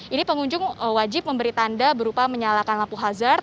ini pengunjung wajib memberi tanda berupa menyalakan lampu hazar